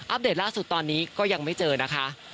เดตล่าสุดตอนนี้ก็ยังไม่เจอนะคะ